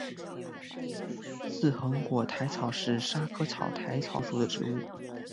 似横果薹草是莎草科薹草属的植物。